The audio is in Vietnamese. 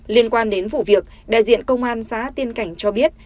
liên quan đến vụ việc đại diện công an xã tiên cảnh cho biết